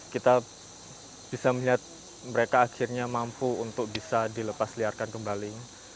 kita bisa melihat mereka akhirnya mampu untuk bisa dilepas liarkan kembali